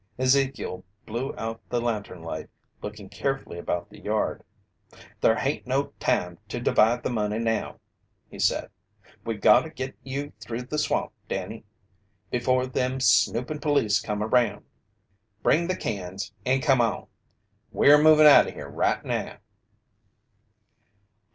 Ezekiel blew out the lantern light, looking carefully about the yard. "There hain't no time to divide the money now," he said. "We gotta git you through the swamp, Danny, before them snoopin' police come around. Bring the cans and come on! We're moving out o' here right now!"